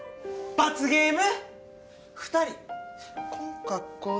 罰ゲーム！